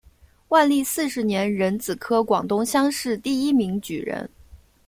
万历四十年壬子科广东乡试第一名举人。